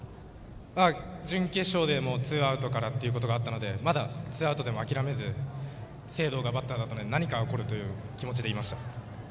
準決勝でもツーアウトからということがあったのでまだツーアウトでも諦めず清藤がバッターだったので何か起こるという気持ちでいました。